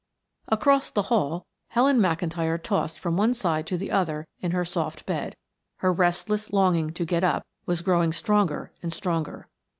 Across the hall Helen McIntyre tossed from one side to the other in her soft bed; her restless longing to get up was growing stronger and stronger.